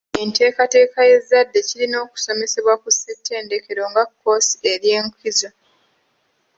Enteekateeka y'ezzadde kirina okusomesebwa ku ssettendekero nga kkoosi ery'enkizo.